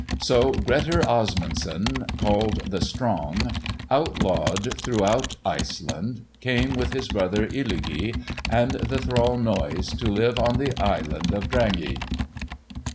So Grettir Asmundson, called The Strong, outlawed throughout Iceland, came with his brother Illugi, and the thrall Noise, to live on the Island of Drangey.